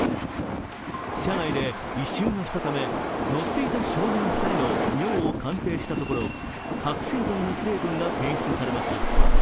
車内で異臭がしたため乗っていた少年２人の尿を鑑定したところ覚醒剤の成分が検出されました。